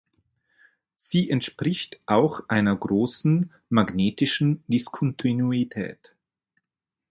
Sie entspricht auch einer großen magnetischen Diskontinuität.